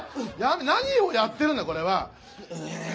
何をやってるんだこれは。